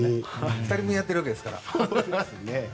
２人分やってるわけですから。